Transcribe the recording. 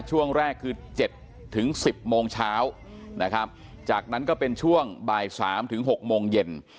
ช่วงแรกคือ๗๑๐โมงเช้านะครับจากนั้นก็เป็นช่วงบ่าย๓ถึง๖โมงเย็น